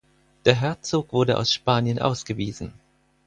Der Herzog wurde aus Spanien ausgewiesen.